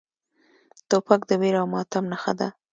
توپک د ویر او ماتم نښه ده.